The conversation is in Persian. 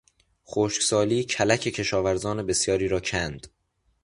خشکسالی کلک کشاورزان بسیاری را کند.